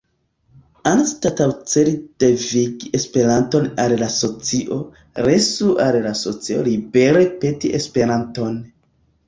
Anstataŭ celi devigi Esperanton al la socio, lasu al la socio libere peti Esperanton.